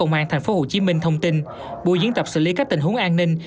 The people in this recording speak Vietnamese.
đại tá nguyễn sĩ quang phó giám đốc công an tp hcm thông tin buổi diễn tập xử lý các tình huống an ninh